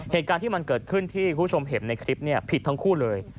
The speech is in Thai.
เหตุการณ์ที่มันเกิดขึ้นที่คุณผู้ชมเห็นในคลิปผิดทั้งคู่เลย